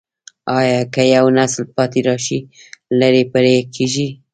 که یو نسل پاتې راشي، لړۍ پرې کېږي.